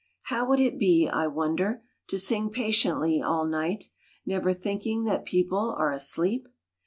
How would it be, I wonder, To sing patiently all night, Never thinking that people are asleep?